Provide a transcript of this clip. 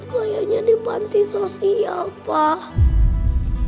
kayaknya di panti sosial